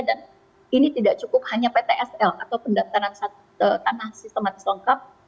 dan ini tidak cukup hanya ptsl atau pendataran tanah sistematis lengkap